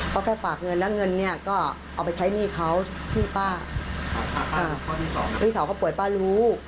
ก็แค่ฝากเงินแล้วเงินเนี่ยก็เอาไปใช้หนี้เขาที่ป้าพี่สาวเขาป่วยป้ารู้